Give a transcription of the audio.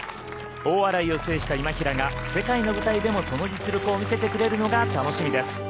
大洗を制した今平が世界の舞台でもその実力を見せてくれるのが楽しみです。